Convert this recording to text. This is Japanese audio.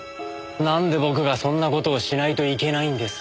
なんで僕がそんな事をしないといけないんです。